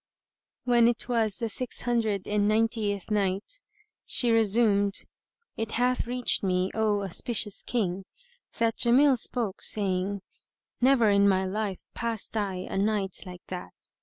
When it was the Six Hundred and Ninetieth Night, She resumed, It hath reached me, O auspicious King, that Jamil spoke, saying:—Never in my life passed I a night like that.